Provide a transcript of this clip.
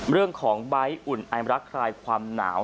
เรื่องของใบอุ่นไอมรักคลายความหนาว